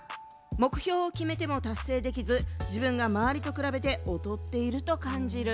「目標を決めても達成できず自分が周りと比べて劣っていると感じる」。